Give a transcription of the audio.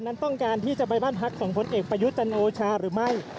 นั้นต้องการที่จะไปบ้านพักของพลเอกประยุทธ์จันโอชาหรือไม่